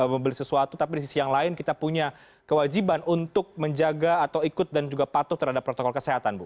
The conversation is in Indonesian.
membeli sesuatu tapi di sisi yang lain kita punya kewajiban untuk menjaga atau ikut dan juga patuh terhadap protokol kesehatan bu